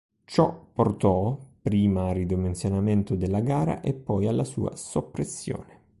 Ciò portò, prima al ridimensionamento della gara, e poi alla sua soppressione.